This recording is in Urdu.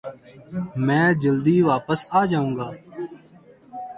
میں جلدی داپس آجاؤنگا ۔